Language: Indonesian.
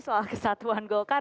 soal kesatuan golkar